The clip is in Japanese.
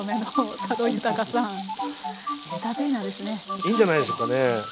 いいんじゃないでしょうかね。